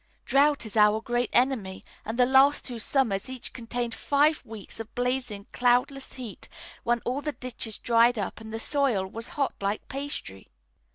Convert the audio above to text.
Drought is our great enemy, and the two last summers each contained five weeks of blazing, cloudless heat when all the ditches dried up and the soil was like hot pastry.